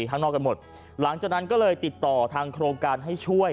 ข้างนอกกันหมดหลังจากนั้นก็เลยติดต่อทางโครงการให้ช่วย